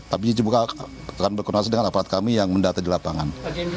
tapi juga akan berkoordinasi dengan aparat kami yang mendata di lapangan